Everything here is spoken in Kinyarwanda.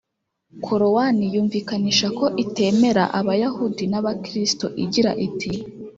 korowani yumvikanisha ko itemera abayahudi n’abakristo igira iti